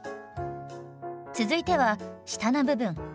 続いては下の部分。